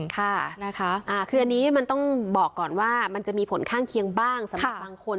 ค่ะนะคะคืออันนี้มันต้องบอกก่อนว่ามันจะมีผลข้างเคียงบ้างสำหรับบางคน